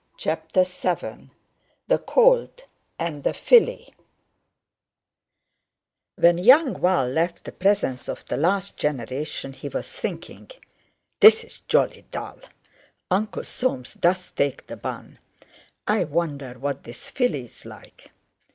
CHAPTER VII THE COLT AND THE FILLY When young Val left the presence of the last generation he was thinking: "This is jolly dull! Uncle Soames does take the bun. I wonder what this filly's like?"